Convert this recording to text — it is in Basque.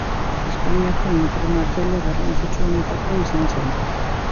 Espainiako inprimatzaile garrantzitsuenetakoa izan zen.